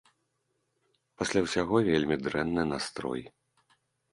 Пасля ўсяго вельмі дрэнны настрой.